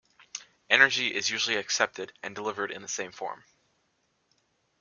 Energy is usually accepted and delivered in the same form.